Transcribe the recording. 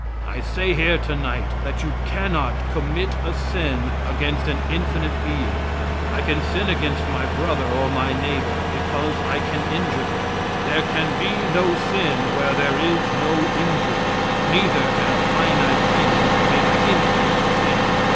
I say here to night that you cannot commit a sin against an infinite being. I can sin against my brother or my neighbor, because I can injure them. There can be no sin where there is no injury. Neither can a finite being commit infinite sin.